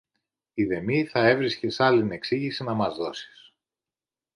ειδεμή θα έβρισκες άλλην εξήγηση να μας δώσεις.